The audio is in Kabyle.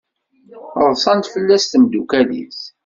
Ḍsant fell-as temdukal-is.